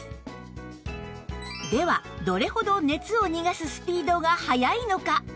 ではどれほど熱を逃がすスピードが速いのか？